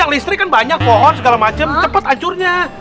yang listrik kan banyak pohon segala macem cepet hancurnya